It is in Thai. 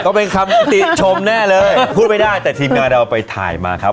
ก็เป็นคำติชมแน่เลยพูดไม่ได้แต่ทีมงานเราไปถ่ายมาครับ